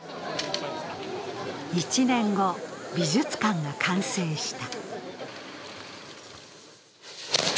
１年後、美術館が完成した。